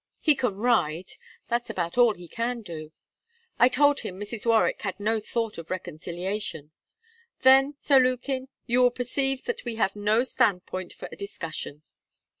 He can ride; that's about all he can do. I told him Mrs. Warwick had no thought of reconciliation. "Then, Sir Lukin, you will perceive that we have no standpoint for a discussion."